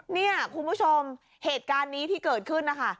เนี่ยคุณผู้ชมเหตุการณ์นี้ที่เกิดขึ้นนะคะ